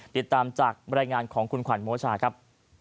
ติดตามจากบรรยายงานของคุณขวัญโมชาครับ